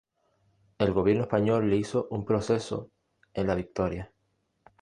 El gobierno español le hizo un proceso en La Victoria.